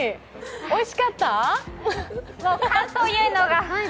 おいしかった？